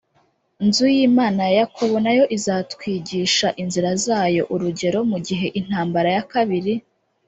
nzu y Imana ya Yakobo na yo izatwigisha inzira zayo Urugero mu gihe Intambara ya Kabiri